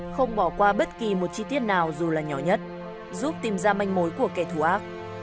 không bỏ qua bất kỳ một chi tiết nào dù là nhỏ nhất giúp tìm ra manh mối của kẻ thù ác